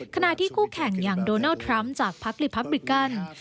ขณะที่คู่แข่งอย่างโดนัลด์ทรัมป์จากพักลิพับริกัน